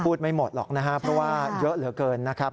ไม่หมดหรอกนะครับเพราะว่าเยอะเหลือเกินนะครับ